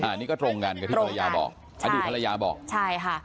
อันนี้ก็ตรงกันกับที่ภรรยาบอกอดีตภรรยาบอกใช่ค่ะ